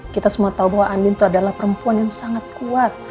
kita semua tahu bahwa amin itu adalah perempuan yang sangat kuat